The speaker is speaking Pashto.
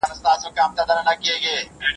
افغان شاګردان د نړیوالو بشري حقونو ملاتړ نه لري.